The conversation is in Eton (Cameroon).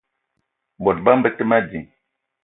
Bot bama be te ma ding.